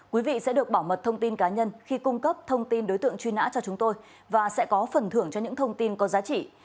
quý vị sẽ được bảo mật thông tin cá nhân khi cung cấp thông tin đối tượng truy nã cho chúng tôi và sẽ có phần thưởng cho những thông tin có giá trị